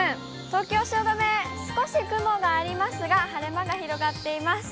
東京・汐留、少し雲がありますが、晴れ間が広がっています。